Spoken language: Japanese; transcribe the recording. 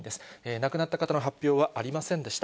亡くなった方の発表はありませんでした。